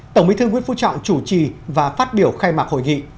tổng bí thư nguyễn phú trọng chủ trì và phát biểu khai mạc hội nghị